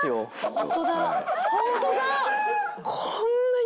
ホントだ！